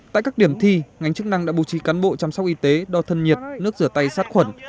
tại các điểm thi ngành chức năng đã bố trí cán bộ chăm sóc y tế đo thân nhiệt nước rửa tay sát khuẩn